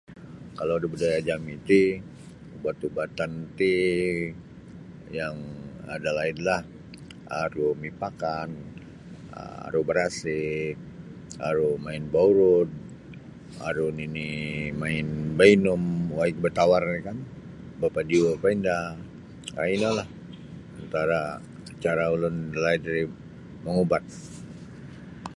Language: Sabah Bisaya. Kalau da budaya jami' ti ubat-ubatan ti yang dalaidlah aru mipakan um aru barasik aru main baurud aru nini' main bainum waig batawar ri kan bapadiu' paindah um inolah antara cara ulun dalaid ri mangubat.